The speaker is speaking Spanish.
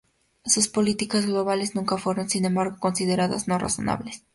Sus políticas globales nunca fueron sin embargo consideradas no razonables.